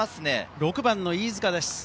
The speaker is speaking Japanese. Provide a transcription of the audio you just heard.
６番の飯塚です。